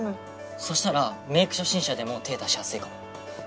そしたらメイク初心者でも手出しやすいかも。